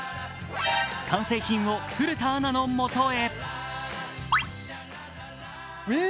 完成品を古田アナの元へ。